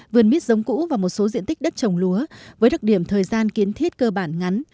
vườn mít giống cũ và một số diện tích đất trồng lúa với đặc điểm thời gian kiến thiết cơ bản ngắn